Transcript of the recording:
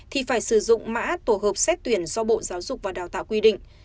thì phải sử dụng mã tổ hợp xét tuyển do bộ giáo dục và đào tạo quy định